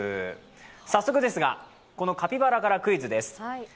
早速ですが、このカピバラからクイズです。